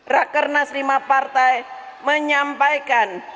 raker naslimah partai menyampaikan